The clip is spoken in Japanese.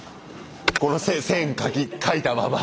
この線書いたまま。